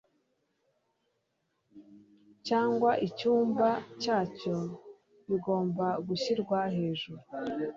cyangwa icyumba cyacyo bigomba gushyirwa hejuru